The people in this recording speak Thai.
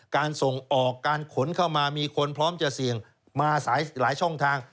การส่งออกการขนเข้ามามีคนพร้อมจะเสี่ยงมาหลายช่องทาง